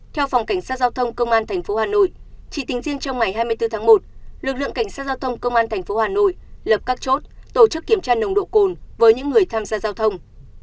theo phòng cảnh sát giao thông công an tp hà nội chỉ tính riêng trong ngày hai mươi bốn tháng một lực lượng cảnh sát giao thông công an tp hà nội lập các chốt tổ chức kiểm tra nồng độ cồn với những người tham gia giao thông